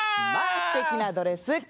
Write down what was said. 「まあすてきなドレス」。